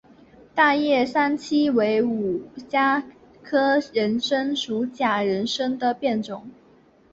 大叶三七为五加科人参属假人参的变种。